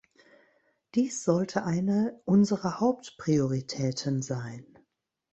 Dies sollte eine unserer Hauptprioritäten sein.